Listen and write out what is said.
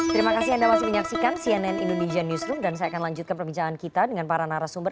terima kasih anda masih menyaksikan cnn indonesia newsroom dan saya akan lanjutkan perbincangan kita dengan para narasumber